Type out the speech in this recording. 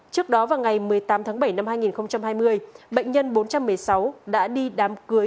trước đó vào ngày một mươi tám tháng bảy năm hai nghìn hai mươi bệnh nhân bốn trăm một mươi sáu đã đi đám cưới